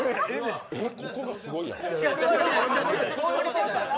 ここがすごいやん。